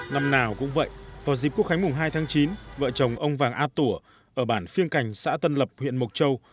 năm nào cũng vậy vào dịp quốc khánh mùng hai tháng chín vợ chồng ông vàng a tủa ở bản phiên cành xã tân lập huyện mộc châu